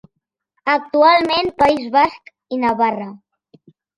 Actualment País Basc i Navarra.